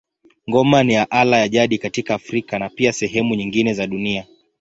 Ngoma ni ala ya jadi katika Afrika na pia sehemu nyingine za dunia.